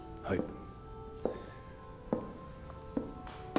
はい。